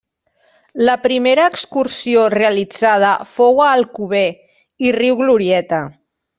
La primera excursió realitzada fou a Alcover i Riu Glorieta.